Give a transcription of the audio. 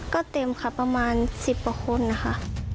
ก็เต็มค่ะประมาณ๑๐ประคุณนะคะ